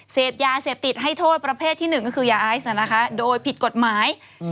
เสพยาเสพติดให้โทษประเภทที่หนึ่งก็คือยาไอซ์โดยผิดกฎหมาย